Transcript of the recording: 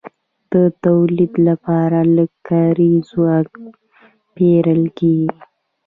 د تولید لپاره لږ کاري ځواک پېرل کېږي